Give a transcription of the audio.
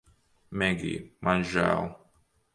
Megij, man žēl